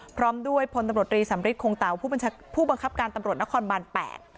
พร้อมด้วยพลตำรวจรีสัมฤทธิ์คงต่าวผู้บัญชาการผู้บังคับการตำรวจนครบานแปด